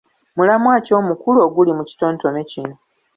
Mulamwa ki omukulu oguli mu kitontome kino?